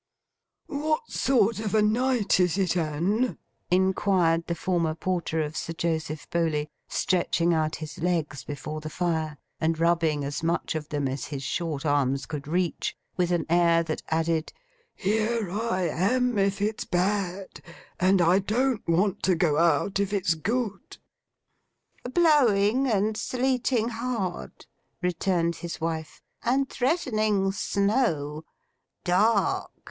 'What sort of a night is it, Anne?' inquired the former porter of Sir Joseph Bowley, stretching out his legs before the fire, and rubbing as much of them as his short arms could reach; with an air that added, 'Here I am if it's bad, and I don't want to go out if it's good.' 'Blowing and sleeting hard,' returned his wife; 'and threatening snow. Dark.